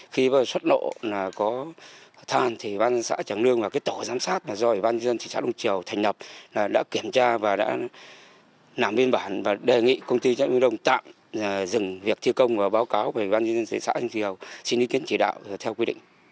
khi xuất lộ có than ubnd thị xã đông triều và tổ giám sát do ubnd thị xã đông triều thành nhập đã kiểm tra và đề nghị công ty viễn đông tạm dừng việc thi công và báo cáo của ubnd thị xã đông triều xin ý kiến chỉ đạo theo quy định